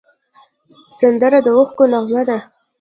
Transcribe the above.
سندره د اوښکو نغمه ده